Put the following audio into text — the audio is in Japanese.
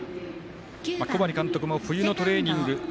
小針監督も冬のトレーニング。